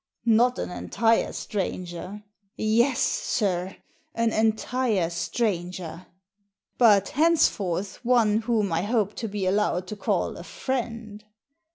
" Not an entire stranger !"" Yes, sir, an entire stranger !" "But henceforth one whom I hope to be allowed to call a friend."